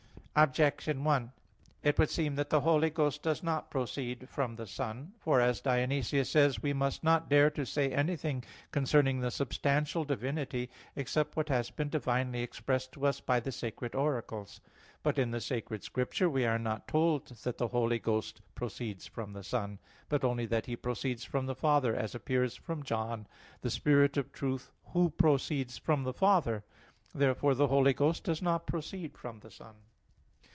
Objection 1: It would seem that the Holy Ghost does not proceed from the Son. For as Dionysius says (Div. Nom. i): "We must not dare to say anything concerning the substantial Divinity except what has been divinely expressed to us by the sacred oracles." But in the Sacred Scripture we are not told that the Holy Ghost proceeds from the Son; but only that He proceeds from the Father, as appears from John 15:26: "The Spirit of truth, Who proceeds from the Father." Therefore the Holy Ghost does not proceed from the Son.